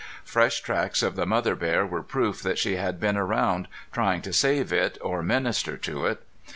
Fresh tracks of the mother bear were proof that she had been around trying to save it or minister to it.